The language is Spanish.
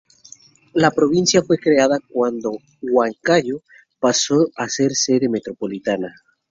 La provincia fue creada cuando Huancayo pasó a ser sede metropolitana.